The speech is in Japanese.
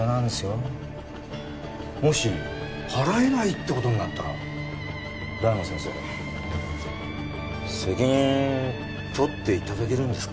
もし払えないって事になったら大門先生責任取って頂けるんですか？